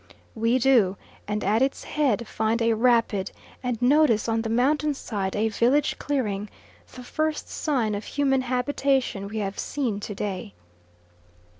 We do; and at its head find a rapid, and notice on the mountain side a village clearing, the first sign of human habitation we have seen to day.